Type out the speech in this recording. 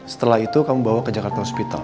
setelah itu kamu bawa ke jakarta hospital